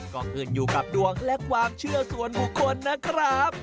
ก็ขึ้นอยู่กับดวงและความเชื่อส่วนบุคคลนะครับ